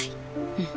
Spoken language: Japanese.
うん。